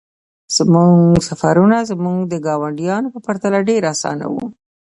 زموږ سفرونه زموږ د ګاونډیانو په پرتله ډیر اسانه وو